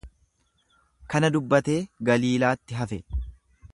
Kana dubbatee Galiilaatti hafe.